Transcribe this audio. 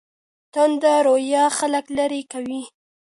تنده رویه خلګ لیرې کوي.